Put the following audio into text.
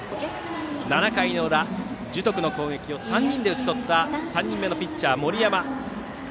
７回の裏、樹徳の攻撃を３人で打ち取った３人目のピッチャー、森山。